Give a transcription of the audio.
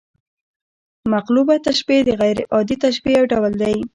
مقلوبه تشبیه د غـير عادي تشبیه یو ډول دئ.